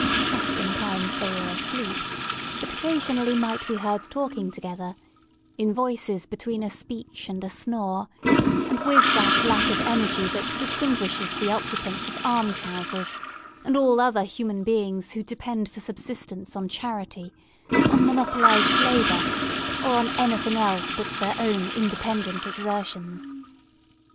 Oftentimes they were asleep, but occasionally might be heard talking together, in voices between a speech and a snore, and with that lack of energy that distinguishes the occupants of alms houses, and all other human beings who depend for subsistence on charity, on monopolized labour, or anything else but their own independent exertions.